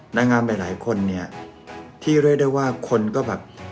นางงามหลายคนเนี่ยที่เรียกได้ว่าคนก็แบบ